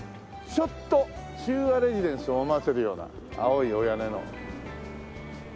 シュッと秀和レジデンスを思わせるような青いお屋根の。